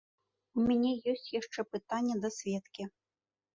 У мяне ёсць яшчэ пытанне да сведкі.